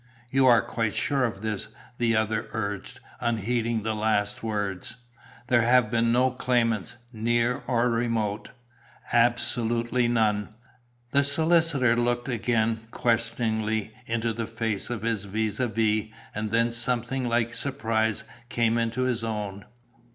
"You are quite sure of this?" the other urged, unheeding the last words. "There have been no claimants, near or remote?" "Absolutely none." The solicitor looked again, questioningly, into the face of his vis à vis, and then something like surprise came into his own.